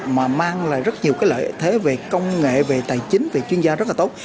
mà mang lại rất nhiều cái lợi thế về công nghệ về tài chính về chuyên gia rất là tốt